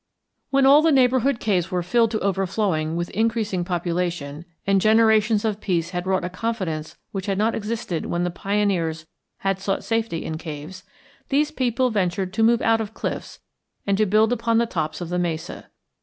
When all the neighborhood caves were filled to overflowing with increasing population, and generations of peace had wrought a confidence which had not existed when the pioneers had sought safety in caves, these people ventured to move out of cliffs and to build upon the tops of the mesa.